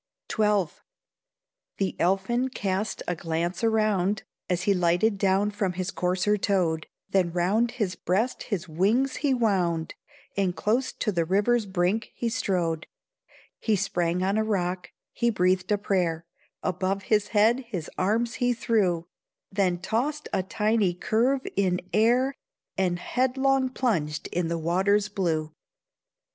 XII. The elfin cast a glance around, As he lighted down from his courser toad, Then round his breast his wings he wound, And close to the river's brink he strode; He sprang on a rock, he breathed a prayer, Above his head his arms he threw, Then tossed a tiny curve in air, And headlong plunged in the waters blue.